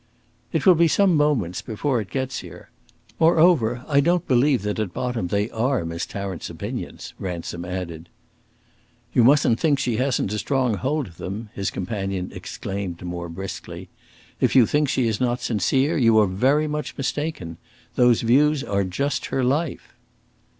"It will be some moments before it gets here. Moreover, I don't believe that at bottom they are Miss Tarrant's opinions," Ransom added. "You mustn't think she hasn't a strong hold of them," his companion exclaimed, more briskly. "If you think she is not sincere, you are very much mistaken. Those views are just her life."